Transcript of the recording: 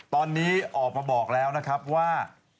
ตอนนี้ออกมาบอกแล้วนะครับว่า